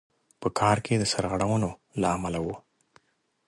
په کار کې د سرغړونو له امله وو.